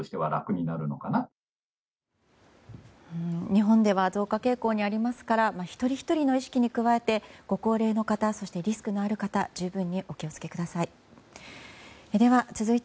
日本では増加傾向にありますから一人ひとりの意識に加えてご高齢の方そしてリスクのある方十分にお気を付けください。